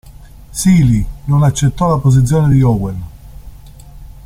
Seeley non accettò la posizione di Owen.